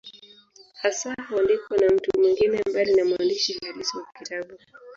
Hasa huandikwa na mtu mwingine, mbali na mwandishi halisi wa kitabu.